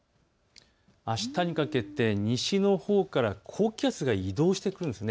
あしたにかけて西のほうから高気圧が移動してくるんです。